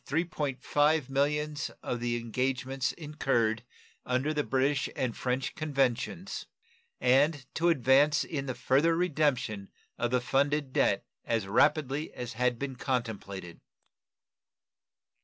5 millions of the engagements incurred under the British and French conventions, and to advance in the further redemption of the funded debt as rapidly as had been contemplated.